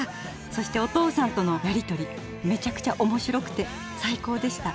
そしてお父さんとのやり取りめちゃくちゃおもしろくて最高でした。